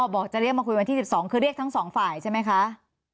บอกจะเรียกมาคุยวันที่๑๒คือเรียกทั้งสองฝ่ายใช่ไหมคะ